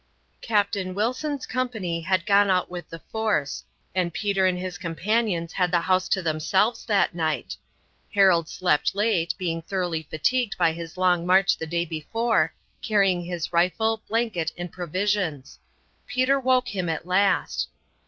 Captain Wilson's company had gone out with the force, and Peter and his companions had the house to themselves that night. Harold slept late, being thoroughly fatigued by his long march the day before, carrying his rifle, blanket, and provisions. Peter woke him at last.